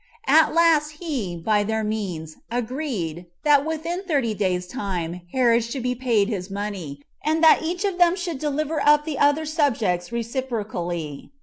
11 At last he, by their means, agreed, that within thirty days' time Herod should be paid his money, and that each of them should deliver up the other's subjects reciprocally.